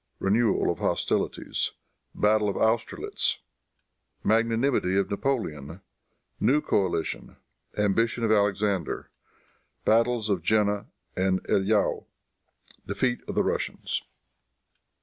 Renewal of Hostilities. Battle of Austerlitz. Magnanimity of Napoleon. New Coalition. Ambition of Alexander. Battles of Jena and Eylau. Defeat of the Russians.